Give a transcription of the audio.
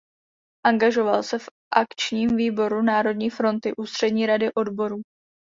Angažoval se v Akčním výboru Národní fronty Ústřední rady odborů.